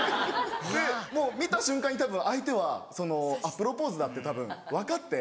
もう見た瞬間にたぶん相手はプロポーズだって分かって。